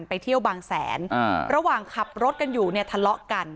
ไปเที่ยวบางแสนระหว่างขับรถกันอยู่เนี่ยทะเลาะกัน